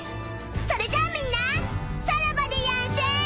それじゃあみんなさらばでやんす！